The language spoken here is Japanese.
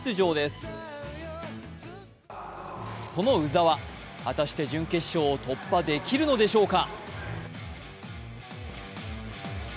その鵜澤、果たして準決勝を突破できるのでしょうか。